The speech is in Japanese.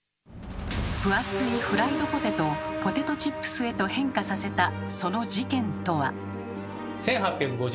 分厚いフライドポテトをポテトチップスへと変化させたその事件とは。と言われています。